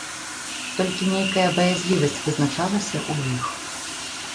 Толькі нейкая баязлівасць вызначалася ў іх.